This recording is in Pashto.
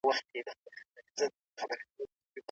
غړي به د خپلو موکلينو ستونزي واوري.